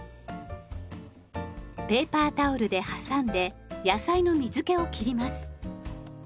ペーパータオルで挟んで野菜の水けを切ります。